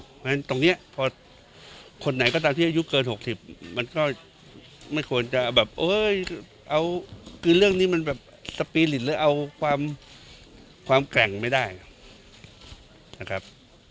เพราะฉะนั้นตรงนี้พอคนไหนก็ตามที่อายุเกิน๖๐มันก็ไม่ควรจะแบบเอาคือเรื่องนี้มันแบบสปีริตหรือเอาความแกร่งไม่ได้นะครับ